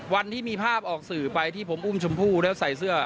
วันที่มีภาพออกสื่อไปที่ผมอุ้มชมพู่แล้วใส่เสื้อ